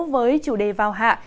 với chủ đề vào hạ